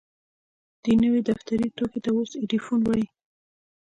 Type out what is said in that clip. دې نوي دفتري توکي ته اوس ايډيفون وايي.